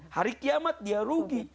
hari kiamat dia rugi